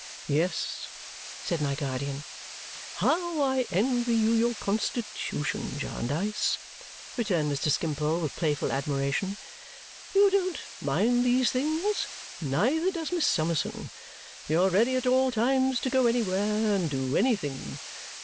"Yes," said my guardian. "How I envy you your constitution, Jarndyce!" returned Mr. Skimpole with playful admiration. "You don't mind these things; neither does Miss Summerson. You are ready at all times to go anywhere, and do anything.